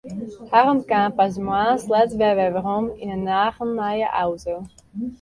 Harm kaam pas de moarns let wer werom yn in nagelnije auto.